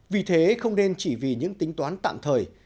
vì thế không nên chỉ vì những tính toán tạm thời